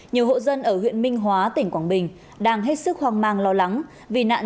nhiều hộ dân ở huyện minh hóa tỉnh quảng bình đang hết sức hoang mang lo lắng vì nạn